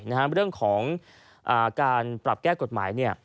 ในเรื่องของการปรับแก้กฎหมายเนี่ย